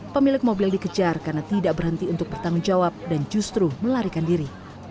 pemilik mobil dikejar karena tidak berhenti untuk bertanggung jawab dan justru melarikan diri